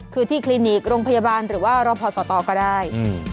คือที่คลินิกโรงพยาบาลหรือว่ารอพอสตก็ได้